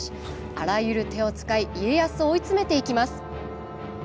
あらゆる手を使い家康を追い詰めていきます。